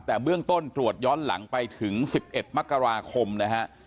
แต่เบื้องต้นตรวจย้อนหลังไปถึง๑๑มกราคมนะฮะ